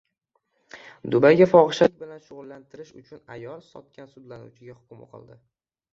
Dubayga fohishalik bilan shug‘ullantirish uchun ayol sotgan sudlanuvchiga hukm o‘qildi